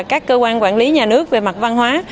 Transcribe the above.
các cơ quan quản lý nhà nước về mặt văn hóa